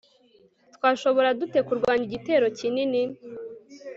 twashobora dute kurwanya igitero kinini